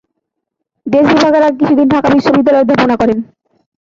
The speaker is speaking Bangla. দেশভাগের আগে কিছুদিন ঢাকা বিশ্ববিদ্যালয়ে অধ্যাপনা করেন।